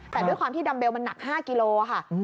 แต่ด้วยความที่ดัมเบลมันหนัก๕กิโลค่ะ